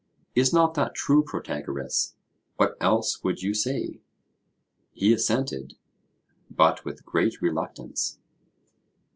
Is not that true, Protagoras? What else would you say? He assented, but with great reluctance.